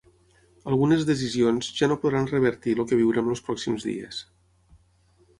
Algunes decisions ja no podran revertir el que viurem els pròxims dies.